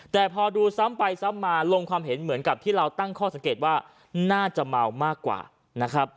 แต่พอดูซ้ำไปซ้ำมาลงความเห็นเหมือนกับที่เราตั้งข้อสังเกตว่าน่าจะเมามากกว่านะครับ